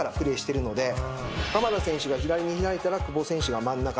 鎌田選手が左に開いたら久保選手が真ん中。